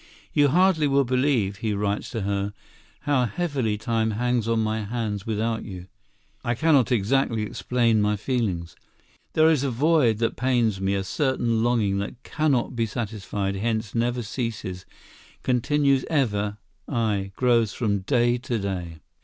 "You hardly will believe," he writes to her, "how heavily time hangs on my hands without you. I cannot exactly explain my feelings. There is a void that pains me; a certain longing that cannot be satisfied, hence never ceases, continues ever, aye, grows from day to day.